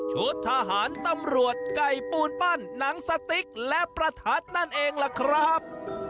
ชุดทหารตำรวจไก่ปูนปั้นหนังสติ๊กและประทัดนั่นเองล่ะครับ